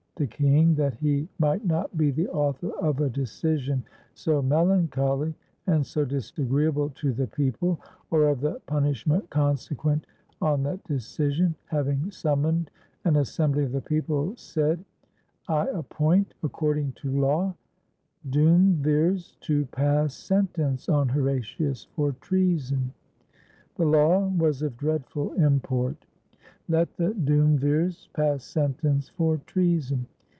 The king, that he might not be the author of a decision so melancholy, and so disagreeable to the peo ple, or of the punishment consequent on that decision, having summ.oned an assembly of the people, said, "I appoint, according to law, duumvirs to pass sentence on Horatius for treason." The law was of dreadful im port. "Let the duumvirs pass sentence for treason.